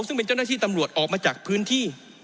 ซึ่งเป็นเจ้าหน้าที่ตำรวจออกมาจากพื้นที่